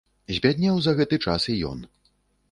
Збяднеў за гэты час і ён.